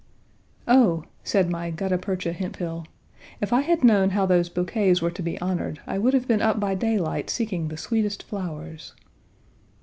"Oh," said my "Gutta Percha" Hemphill,1 "if I had known how those bouquets were to be honored I would have been up by daylight seeking the sweetest flowers!"